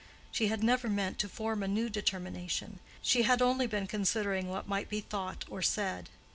She had never meant to form a new determination; she had only been considering what might be thought or said.